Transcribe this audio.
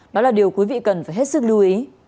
đó là điều quý vị cần phải hết sức lưu ý